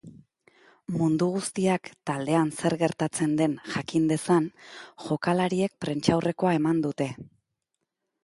Mundu guztiak taldean zer gertatzen den jakin dezan, jokalariek prentsaurrekoa eman dute.